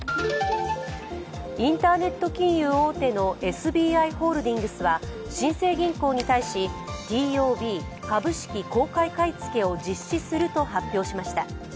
インターネット金融大手のＳＢＩホールディングスは新生銀行に対し、ＴＯＢ＝株式公開買い付けを実施すると発表しました。